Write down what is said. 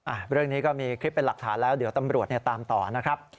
เรื่องนี้ก็มีคลิปเป็นหลักฐานแล้วเดี๋ยวตำรวจเนี่ยตามต่อนะครับ